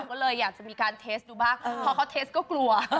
ก็เลยอยากจะมีการเทสดูบ้างพอเขาเทสก็กลัว